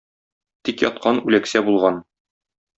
Тик яткан үләксә булган.